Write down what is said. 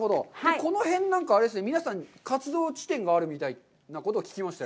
この辺なんかあれですね、皆さん、活動地点があるみたいなことを聞きましたよ。